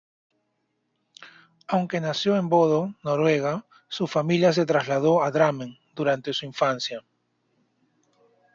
Aunque nació en Bodø, Noruega, su familia se trasladó a Drammen durante su infancia.